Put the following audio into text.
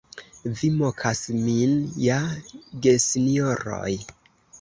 Vi mokas min ja, gesinjoroj!